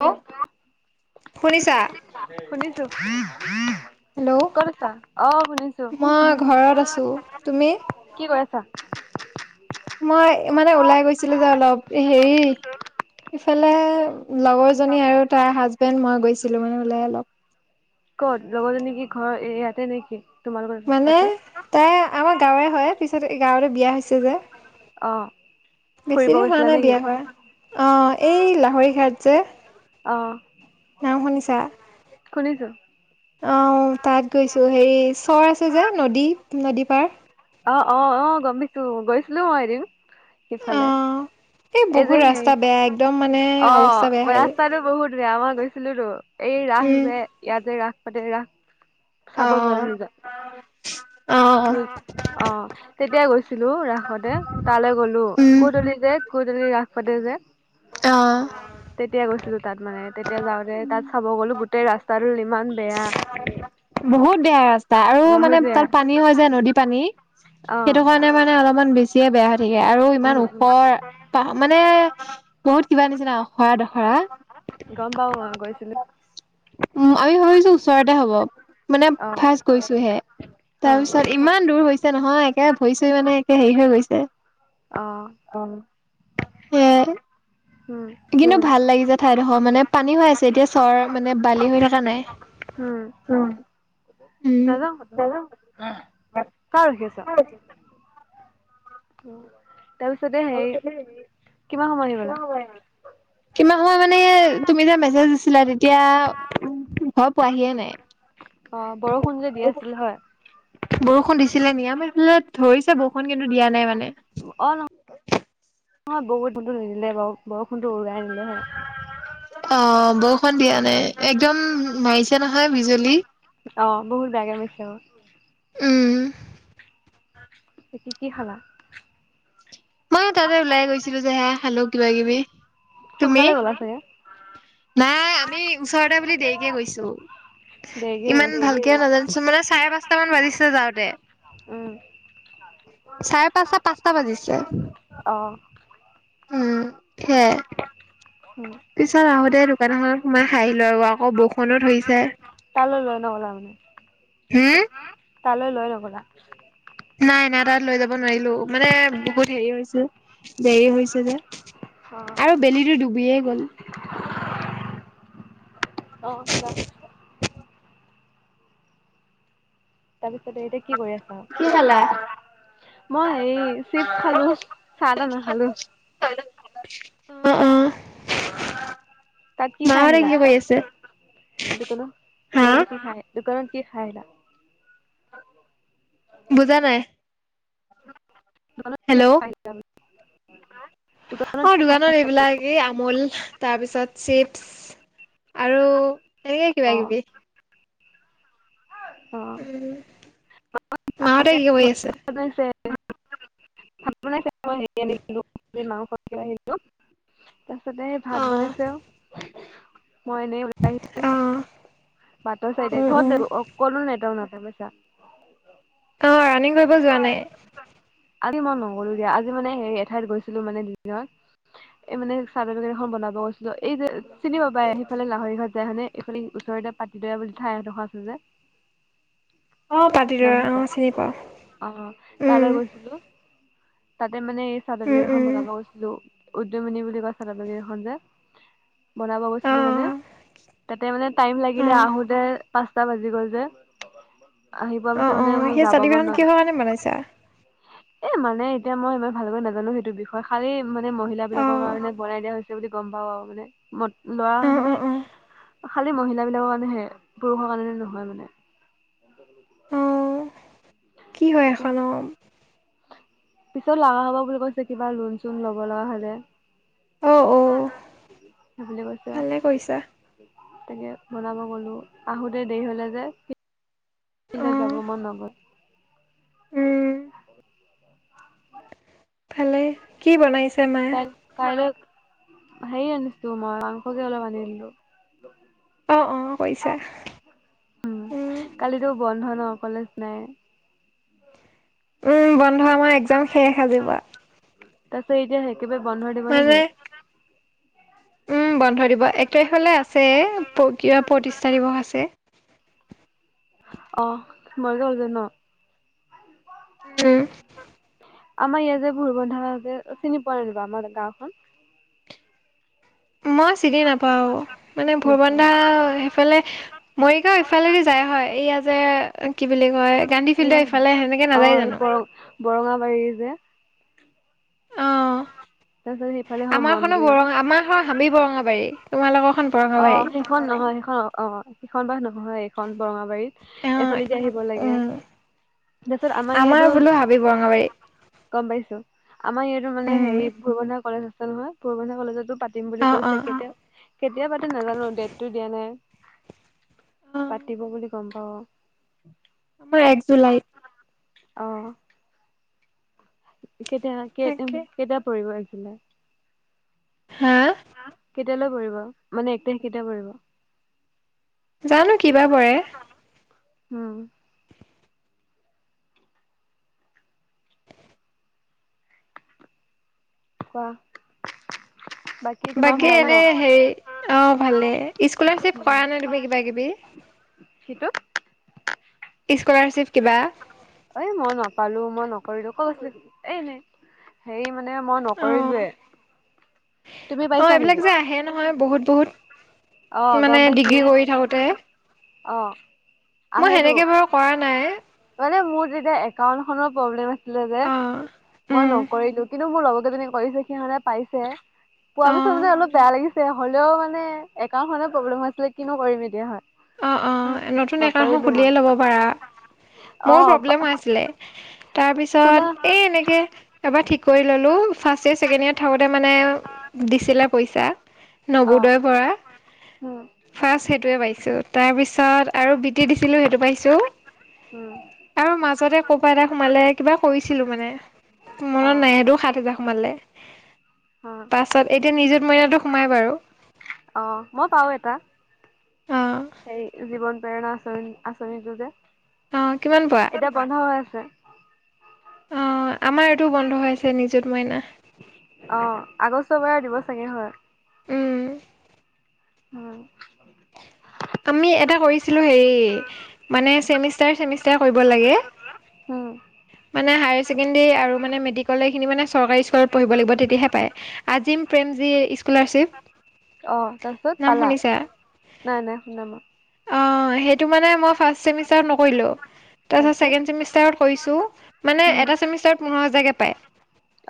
Hello শুনিছা শুনিছো। Hello কত আছা অ শুনিছো মই ঘৰত আছো। তুমি? কি কৰি আছ আছা মই মানে ওলাই গৈছিলো যে অলপ হেৰি ইফালে লগৰ জনী আৰু তাৰ হাজবেণ্ড মই গৈছিলো মানে ওলাই অলপ এইয়াতে নেকি! তোমালোকৰ মানে তাতে তাই আমাৰ গাঁৱে হয় পিছত গাঁৱতে বিয়া হৈছে যে। অ বেছি ফুৰিব দেৰি হোৱা গৈছিলা নাই নেকি বিয়া কৰা অ এই লা লাহৰীঘাট যে অ ন শুনিছা শুনিছো আহ তাত গৈছো হেৰি চৰ আছে যে নদী নদী পাৰ অঁ অঁ অঁ গম পিছো গৈছিলো মই এদম সিফালে অ' এই যে বহুত হে ৰাস্তা বেয়া একদম মানে অ অৱস্থা বেয়া হৈ যায়। ৰাস্তাতটো বহুত মাৰ গৈছিলো এই ৰাস উম, যে ইয়াতে যে ৰাস পাতে ৰাস- চাবজ অ'। বাৰ নিজ অ', অঁ তেতিয়া গৈছিলো ৰাসতে তালৈ গলো উম, ক'তলি যে ক'ত? তেনেকে ৰাস পাতে যে ত ' তেতিয়া গৈছিলো তাত মানে তেতিয়া যাওঁতে তাত চাব গ'লো গোটেই ৰাস্তা ল ইমান বেয়া। বহুত বেয়া ৰাস্তা আৰু মানে বহুত বেয়া তাত পানী হয়। যে নদী পানী অ সেইটো কাৰণে মানে অলপমান বেছিয়ে বেয়া। আৰু উম ইমান উম ওখৰ প মানে। মোৰ কিবা নিচিনা। অখৰা দখৰা গম পাও মই গৈছিলো। অ'আমি ভাবিছোঁ ওচৰতে হ'ব মানে অ ফাৰ্ষ গৈছোঁহে অ তাৰপিছত ইমান দূৰ হৈছে নহয়, একে ভৰি চৰি মানে একে হেৰি হৈ গৈছে। অ ' [inaudible] উম কিন্তু ভাল লাগিছে ঠাইডোখৰ মানে পানী হৈ আছে এতিয়া চৰ মানে বালি হৈ থকা নাই। উম। উম নাযাওঁ কালে ৰখি আছ। তোৰ। তাতে হেৰী। কিমান সময় মানে তুমি যে মেছেজ দিছিলা। মেছেজ দিছিলা তেতিয়া উ ঘৰ পোৱাহিয়ে নাই। অ' বৰষুণ যে দি আছিল হয়। ছিলে [inaudible] ধৰিছে বৰষুণ কিন্তু দিয়া নাই মানে অ' নহয় বৰষুণ টো নিদিলে বাৰু। বৰষুণটো উৰাই আনিলে হয় অ' বৰষুণ দিয়া নাই একদম। মাৰিছে নহয় বিজুলী অ বহুত বেয়াকে পাইছে অ উম। কি কি খালা? কিবাকিবি সোনকালে গ'লা চাগে? নাই আমি ওচৰতে বুলি দেৰিকে গৈছো। দেৰিকে হৈ ইমান গৈছে ভালকেও নাজানোছো মানে চাৰে পাঁচটা মান বাজিছে যাওঁত তে উম চাৰে পাঁচটা পাঁচটা বাজিছ ছে। অ উম হে। উম পিছত আহোতে দোকান এখনত সোমাই খাই আহিলো আও আকৌ বৰষুণো ধৰিছে। লৈ তালৈ লোৱা ন অনলাইন মানে। হু। তালৈ লৈ লবলা। নাই নাই তাত লৈ যাব নোৱাৰিলো মানে বহুত হেৰি হৈছে। দেৰি হৈছে যে অ আৰু বেলিটো ডুবিয়ে গ'ল। অ', ক। তাৰপিছতে এতিয়া কি কৰি কি খালা আছা? মই হেই চিপচ খালো, চাহ তাহ নাখালো। অ অ। তাত কি খাই মাহঁতে আহিলা? কৰি আছে দোকানত হা দোকানত কি খাই দোকানত কি খাই আহিলা? বুজা নাই? দোকান কি হেল্ল' খাই আহিলা? দোকানত অ কি খাই দোকানৰ এইবিলাকেই আম মূল তাৰপিছত চিপছ আৰু এনেকে আহিলা কিবা কিবি। অ উ মাহতে কি কৰি আছে? আছে ভাত মই হেৰি দেখিলো মাংস ক আহো তাৰ পিছতে অ ভাত বনাইছেও মই এনেই ওলাই আহিছো অ বাটৰ চাইডে উম উম ঘৰত অকণো নেটৱৰ্ক নাই। চামছা [unintelligible] অ ৰাণিং কৰিব যোৱা নাই? আজি মই নকৰো দিয়া আজি মানে সেই এঠাইত গৈছিলো মানে দিনত এই মানে ছাৰ্টিপিকেট এখন বনাব গৈছিলো এই যে চিনি পাবাই সেইফালে লাহৰি ঘৰত যায় হানে এইফালে ওচৰতে পাতি দৈয়া বুলি ঠাই এঁডোখৰ আছে যে। অ পাতি দৈয়া অঁ চিনি পাও। অঁ তালৈ গৈছিলো। তাতে মানে উম চাৰ্টিফিকেট এখন উম বনাব গৈছিলো, উদ্যয়মণি বুলি কোৱা চাদৰ গেৰি খন যে। বনাব অ গৈছিলো মানে তাতে মানে টাইম লাগিলে অ আহোতে পাঁচটা বাজি গ'ল যে। আহি পোৱা পিছত মানে মই যাম চাতি বিখন কি হয় নে বনাইছা? ন এতিয়া মই ইমান ভালকৈ নাজানো সেইটো বিষয় খালি মানে মহিলা অ বিলাকৰ কাৰণে বনাই দিয়া হৈছে বুলি গম পাও আৰু মানে। ম লৰা অ অ মানে অ খালী মহিলা বিলাকৰ কাৰণেহে পুৰুষৰ কাৰণে নহয় মানে। অ কি হয় তাকে এখনম পিছত লগা হ'ব বুলি কৈছে কিবা লোন চোন ল'ব লগা হলে। অ অ সেইবুলি কৈছে আৰু ভালে কৰিছা। তাকে বনাব গলোঁ। আহোতে দেৰি হ'লে যে যিদিনা অ যাব মন নগ'ল উম [unintelligible] ভালে কি বনাইছে? মায়ে তাইক কাইলৈ হেই আনিছোঁ মই মাংস কে অলপ আনিলোঁ। অ অ কৰিছা উম, কালিতো বন্ধ ন। কলেজ নাই। উম, বন্ধ আমাৰ এক্সাম শেষ আজিৰপৰা। তাৰ পিছত এতিয়া একেবাৰে বন্ধ দিব নেকি? উম, বন্ধ দিব। এক তাৰিখলৈ আছে কিবা প্ৰতিষ্ঠা দিৱস আছে। অ' মজা হৈছে ন উম। আমাৰ ইয়াত যে ভোৰবন্ধা আহ যে চিনি পোৱা যেনিবা আমাৰ গাওঁখন। মই চিনি নাপাওঁ মানে নোপোৱা? ভুৰবন্ধা সেইফালে মৰিগাওঁ ইফালেদি যায় হয়। এয়া যে কি বুলি কয় গান্ধী এ ফিল্ড ইফালে সেনেকে নাযায় জানোঁ? দে। তাৰপিছত অ' সেইফালে হয় আমাৰ খন বৰঙা আমাৰ হাবি মনগুৰি। বৰঙাবাৰী তোমালোকৰ অহ' সেইখন নহয়। সেইখন অহ, সেইখন বা নহয় সেইখন। বৰঙাবাৰীত অঁ এইফালেদি আহিব লাগে উম তাৰপাছত আমাৰ ইয়াতো বোলো হাবি বৰঙাবাৰী গম পাইছো। আমাৰ ইয়াতো মানে উম হেৰি ভুৰবন্ধা কলেজ আছে নহয়, ভুৰবন্ধা কলেজতো। পাতিম বুলি অঁ কৈছে, অঁ কেতিয়া কেতিয়া পাতি নাজানোঁ ডেটতটো দিয়া নাই অঁ পাতিব বুলি গ'ম পাওঁ। আমাৰ এক জুলাই। আহঁ। কেতিয়া কে তাকে কেতিয়া পঢ়িব আহিছিলা। হা কেতিয়ালৈ পৰিব মানে এক তাৰিখ কেইতিয়া পৰিব। জানো কিবা পৰে। উম। কোৱাহ বাকী এনে হেৰি অ ভালে স্কলাৰশ্বিপ কৰা নাই তুমি কিবা কিবি। সিটোত স্কলাৰশ্বিপ কিবা। এ মই নাপালো মই নকৰিলো ক'ত আছিল এ নাই সেই মানে। মানে মই অঁ নকৰিলো তুমি অ পাইছা এইবিলাক নেকি? যে আহে নহয় বহুত বহুত আহ মানে গম পাইছো ডিগ্ৰী কৰি থাকোতে আহ। মই আহে টো সেনেকে বাৰু কৰা নাই মানে মোৰ। যেতিয়া একাউণ্ট খন পব্লেম আছিলৈ যে অ কিন্তু মই উম নকৰিলো। [unintelligible] কৰিছে সিহে পাইছে পোৱা অ পিছত মানে অলপ বেয়া লাগিছে হলেও মানে একাউণ্ট খনেত প্ৰব্লেম হৈ আছিলে। কিনো কৰিম এতিয়া হয়। অ, অ, নতুন একাওণ্ট এখন নকৰিলো মই খুলিয়ে ল'ব পাৰা অ মোৰ প্ৰব্লেম হৈ আছিলে। তাৰ খোলা পিছত এ এনেকে এবাৰ ঠিক কৰি ললো ফাৰ্ষ্ট। ফাৰ্ষ্ট ইয়েৰৰ ছেকেণ্ড ইয়েৰৰ থাকোতে মানে দিছিলে পইচা অ নৱোদয়ৰ পৰা। উম ফাৰ্ষ্ট সেইটোৱে পাইছো। তাৰপিছত আৰু বি টি দিছিলো সেইটো পাইছো। উম আৰু মাজতে কৰ'বাত এটা সোমালে কিবা কৰিছিলো মানে। অ অ মনত নাই সিহঁতও সাত হোজাৰ সোমালে। পাছত এতিয়া নিযুত মইনাটো সোমাই বাৰু। অ মই পাওঁ এটা অ হে। জীৱন প্ৰেৰণা আচনি আঁচনিটো যে অ কিমান পোৱা এতিয়া বন্ধ হৈ আছে অ আমাৰ এইটোও বন্ধ হৈ আছে নিজত মইনা। অ আগষ্ট বাৰ দিব চাগে হয়। উম উম। আমি এটা কৰিছিলো হেৰি মানেচেমিষ্টাৰ চেমিষ্টাৰে। এটাই কৰিব লাগে। উম হাইছেকদেৰি আৰু মেট্ৰিক লৈ। চৰকাৰী স্কুলত পঢ়িব লাগিব তেতিয়াহে পাই আজিম প্ৰেম জী স্কলাৰশ্বিপ। অ তাৰপিছত নাম পালা শুনিছা নাই নাই। শুনা মই অ সেইটো মানে মই ফাৰ্ষ্ট চেমিষ্টাৰত নকৰিলোঁ। তাৰ পিছত তাৰপিছত ছেকেণ্ড চেমিষ্টাৰ কৰিছো মানে উম এটা চেমিষ্টাৰ পোন্ধৰ হাজাৰ কে পায়।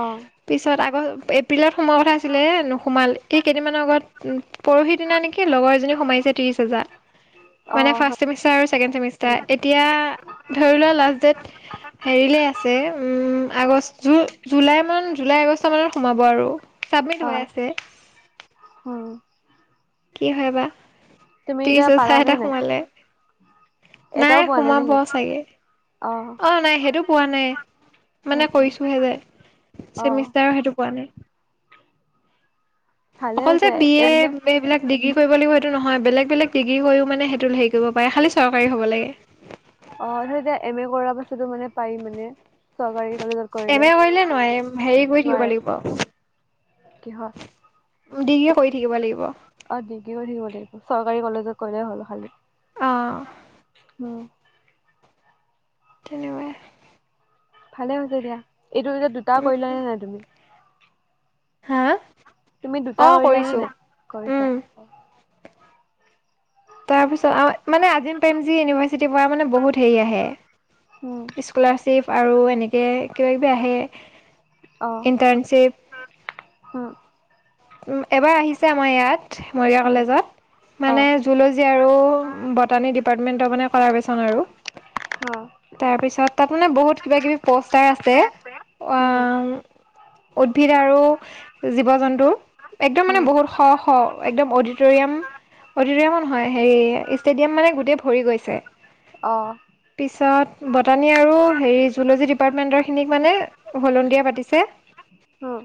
অ পিছত আগ এপ্ৰিলত। সোময় কথা আছিলে নোসোমাল এই কেইদিনমানৰ আগত পৰহি দিনা নেকি লগৰ এজনী সোমাইছে। বিছ হাজাৰ। অ মানে ফাৰ্ষ্ট চেমিষ্টাৰ আৰু ছেকেণ্ড চেমিষ্টাৰ এতিয়া ধৰি লোৱা লাষ্ট ডেট হেৰিলে আছে উম আগষ্ট জুলাই মান জুলাই আগষ্ট মানত সোমাব আৰু। চাবমিট অ হৈ আছে। উম কি হয় বা তুমি ত্ৰিশ এতিয়া হচাৰ পালানে এটা নাই? সোমালে। এটাও নাই পোৱা সোমাব নেকি? চাগে অঁ অ নাই সেইটো। পোৱা নাই উম মানে উম কৰিছোহে যে অঁ চেমিষ্টাৰ সেইটো পোৱা নাই। ভালে অকলতে হৈছে বি এইবিলাক এবিলাক ডিগ্ৰী কৰিব লাগিব। সেইটো নহয় বেলেগ বেলেগ ডিগ্ৰী কৰিও মানে। হেৰি কৰিব পাৰে খালী চৰকাৰী হ'ব লাগে। অ এতিয়া এম এ কৰাৰ পাছতো মানে পায় মানে। চৰকাৰী কলেজত এম কৰিলে এ হেৰি কৰি থাকিব নোৱাৰে লাগিব কিহৰ ডিগ্ৰী কৰি থাকিব লাগিব। অ', ডিগ্ৰী কৰি থাকিব লাগিব, চৰকাৰী কলেজত ক'লে হল খালি। অ অম তেনেকুৱাই। ভালে হৈছে দিয়া এইটো এতিয়া দুটা কৰিল উম নে নাই তুমি হা? তুমি দুটা অ কৰিলাানে কৰিছো নাই কৰিৈছা উম তাৰপিছত মানে আজিম প্ৰেম জী ইউনিভাৰ্চিটিৰ পৰা মানে বহুত হেৰি উম আহে স্কলাৰশ্বিপ, আৰু এনেকে কিবা কিবি আহে। অ ইন্টাৰ্ণশ্বিপ। উম উ এবাৰ আহিছে আমাৰ ইয়াত মৰিগাঁও উম কলেজত অ মান [unintelligible] আৰু [unintelligible] আৰু ডিৰ্পাটমেনটৰ মানে কলাব্ৰেচন আৰু। অ তাৰ পিছত, তাত মানে বহুত কিবা কিবি পষ্টাৰ আছে উম আহ। উদ্ভিদ আৰু জীৱ জন্তুৰ একদম মানে, উম বহুত শ' শ'একদম অডিটৰিয়াম। অত ম নহয় হেৰি ষ্টেডিয়াম মানে গোটেই ভৰি গৈছে অ', পিছত? বটানী আৰু হেৰি জুলজী ডিপাৰ্টমেণ্টৰখিনিক মানে সলনি দিয়া পাতিছে অ',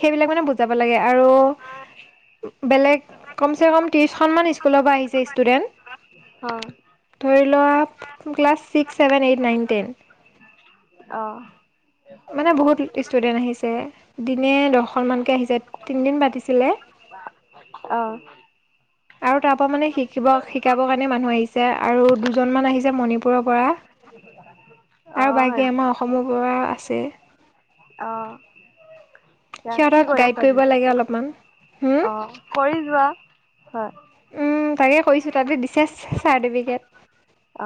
সেইবিলাক মানে বুজাব লাগে, আৰু। বেলেগ কম কম ত্ৰিশ স্কুলৰ পৰা আহিছে অ', ষ্টুডেন্ট ধৰি লোৱা class, six, seven, eight, nine, ten. অ', মানে, বহুত ষ্টুডেন্ট আহিছে। দিনে, দহখন মানকে আহিছে। তিনদিন পাতিছিলে। অ'। আৰু তাৰ পৰা মানে, শিকিব শিকাবৰ কাৰণে মানুহ আহিছে। আৰু দুজন মান আহিছে, মণিপুৰৰ পৰা। [unintelligible] আৰু বাকী অ', আমাৰ অসমৰ পৰা আছে এতি কি সিহঁতক কৰি গাইড আছ কৰিব তি লাগে অলপমান হুম অ কৰি যোৱা হয় উম, তাকে কৰিছো। তাতে দিছে, চা-চাৰ্টিফিকেট।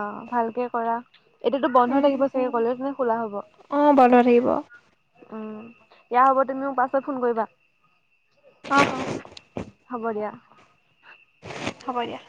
অ', ভালকে কৰা। এতিয়াতো বন্ধ থাকিব চাগে কলেজ, নে খোলা হ'ব? অ', বন্ধ থাকিব। উম, দিয়া হ'ব, তুমি মোক পাছত ফোন কৰিবা। অঁ হ'ব দিয়া। হ'ব দিয়া।